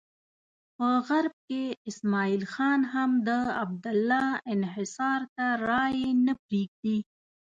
په غرب کې اسماعیل خان هم د عبدالله انحصار ته رایې نه پرېږدي.